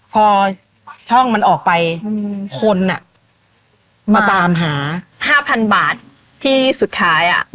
พอช่องมันออกไปอืมคนอ่ะมาตามหาห้าพันบาทที่สุดท้ายอ่ะ